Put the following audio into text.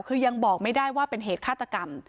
คือยังบอกไม่ได้ว่าเป็นเหตุฆาตกรรม